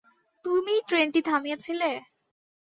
তুমিই ট্রেনটি থামিয়েছিলে?